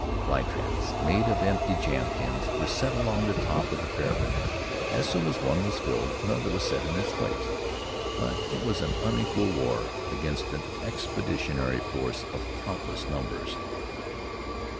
Flytraps made of empty jam tins were set along the top of the parapet. As soon as one was filled, another was set in its place. But it was an unequal war against an expeditionary force of countless numbers.